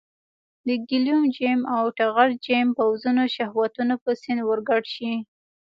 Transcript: د ګیلم جم او ټغر جم پوځونه شهوتونو په سیند ورګډ شي.